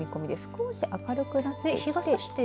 少し明るくなってきて。